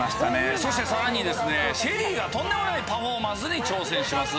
さらに、ＳＨＥＬＬＹがとんでもないパフォーマンスに挑戦します。